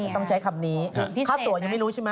ต้องใช้คำนี้